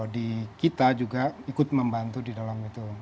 di kita juga ikut membantu di dalam itu